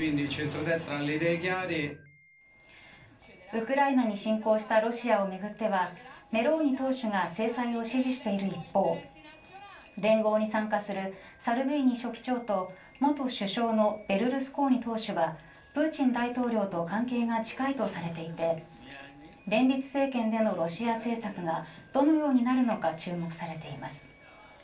ウクライナに侵攻したロシアをめぐってはメローニ党首が制裁を支持している一方連合に参加するサルビーニ書記長と元首相のベルルスコーニ党首はプーチン大統領と関係が近いとされていて連立政権でのロシア政策がどのようになるのか注目されています。